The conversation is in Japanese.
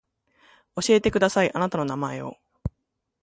教えてくださいあなたの名前を